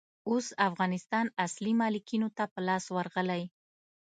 اوس افغانستان اصلي مالکينو ته په لاس ورغلئ.